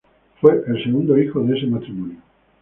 Fue el segundo hijo de ese matrimonio.